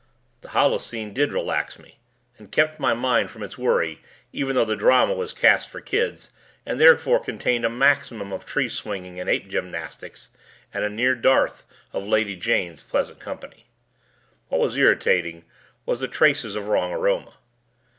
The halluscene did relax me and kept my mind from its worry even though the drama was cast for kids and therefore contained a maximum of tree swinging and ape gymnastics and a near dearth of Lady Jane's pleasant company. What was irritating was the traces of wrong aroma.